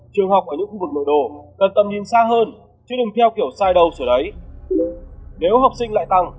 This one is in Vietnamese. trường học ở những khu vực nội đô cần tầm nhìn xa hơn chứ đừng theo kiểu sai đâu rồi đấy